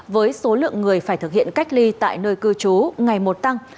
với số lượng người phải thực hiện cách ly tại nơi cư trú ngày một tăng